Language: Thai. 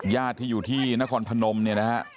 ญาติอยู่ที่น้ำคอนพนมนี้นะฮะ